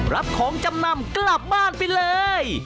รับของจำนำกลับบ้านไปเลย